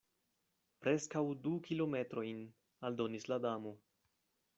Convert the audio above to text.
"Preskaŭ du kilometrojn," aldonis la Damo.